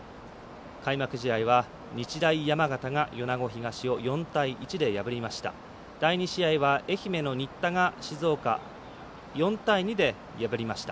開幕試合は、日大山形が米子東を４対１で破りました。